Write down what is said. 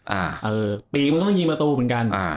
อ่าเออปีมึงต้องยิงประตูเหมือนกันอ่า